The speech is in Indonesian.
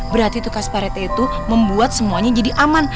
berarti tukas pare teh itu membuat semuanya jadi aman